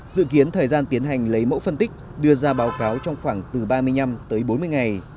dự kiến thời gian tiến hành lấy mẫu phân tích đưa ra báo cáo trong khoảng từ ba mươi năm tới bốn mươi ngày